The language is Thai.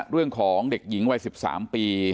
เรื่องของเด็กหญิงวัย๑๓ปี